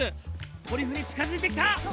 トリュフに近づいてきた！